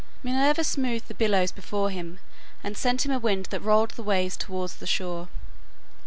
Minerva smoothed the billows before him and sent him a wind that rolled the waves towards the shore.